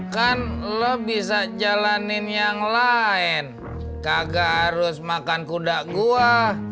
kan lo bisa jalanin yang lain kagak harus makan kuda gua